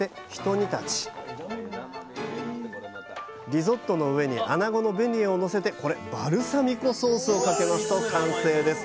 リゾットの上にあなごのベニエをのせてこれバルサミコソースをかけますと完成です。